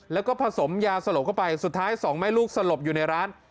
แล้วก็ผสมยาสลบเข้าไปสุดท้ายสองแม่ลูกสลบอยู่ในร้าน